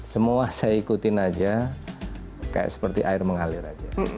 semua saya ikutin aja kayak seperti air mengalir aja